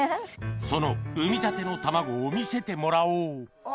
その産みたての卵を見せてもらおうあ！